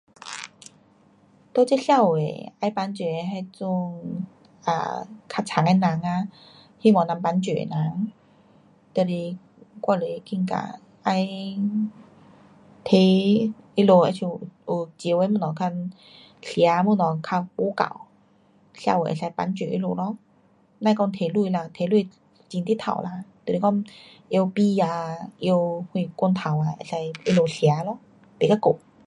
在这社会的，要帮助的那种啊，较惨的人啊，希望能够帮助的人，就是我是有觉得要提他们好像有少的东西较，吃的东西较不够。社会可以帮助他们咯。甭说提钱啦，提钱会直透啦。就是说拿米啊，拿什罐头啦可以他们吃咯，不给饿。